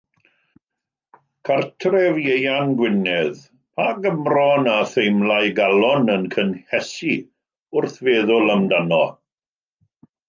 Cartref Ieuan Gwynedd, pa Gymro na theimla ei galon yn cynhesu wrth feddwl amdano?